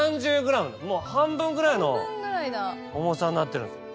もう半分ぐらいの重さになってるんです。